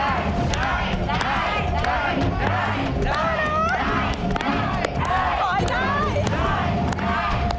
เอาเวลาไปจ้ะ๖๕มินาทีเท่านั้นเอง